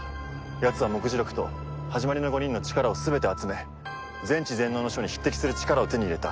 やつは目次録とはじまりの５人の力を全て集め全知全能の書に匹敵する力を手に入れた。